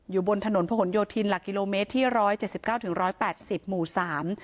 บนถนนพระหลโยธินหลักกิโลเมตรที่ร้อยเจ็ดสิบเก้าถึงร้อยแปดสิบหมู่สาม